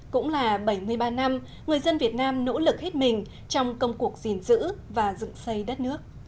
cũng là bảy mươi ba năm người dân việt nam nỗ lực hết mình trong công cuộc gìn giữ và dựng xây đất nước